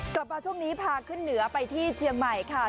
กลับมาช่วงนี้พาขึ้นเหนือไปที่เจียงใหม่ค่ะ